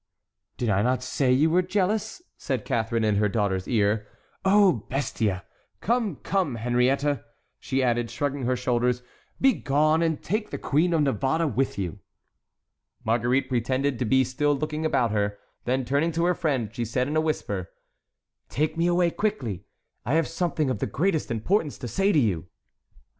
"Did I not say you were jealous?" said Catharine, in her daughter's ear. "Oh, bestia! Come, come, Henriette," she added, shrugging her shoulders, "begone, and take the Queen of Navarre with you." Marguerite pretended to be still looking about her; then, turning to her friend, she said in a whisper: "Take me away quickly; I have something of the greatest importance to say to you."